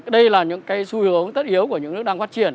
đây là những cái xu hướng tất yếu của những nước đang phát triển